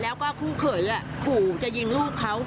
แล้วก็คู่เขยขู่จะยิงลูกเขา